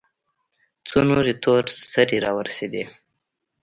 څو نورې تور سرې راورسېدې.